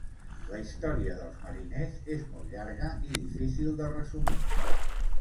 La història dels mariners és molt llarga i difícil de resumir.